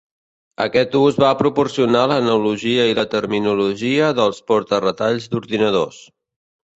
Aquest ús va proporcionar l'analogia i la terminologia dels porta-retalls d'ordinadors.